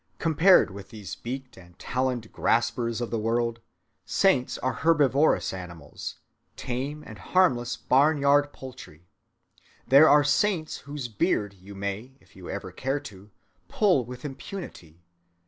Compared with these beaked and taloned graspers of the world, saints are herbivorous animals, tame and harmless barn‐yard poultry. There are saints whose beard you may, if you ever care to, pull with impunity.